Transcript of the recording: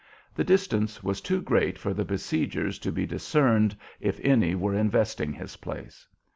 The distance was too great for the besiegers to be discerned if any were investing his place.